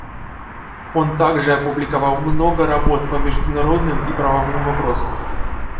Он также опубликовал много работ по международным и правовым вопросам.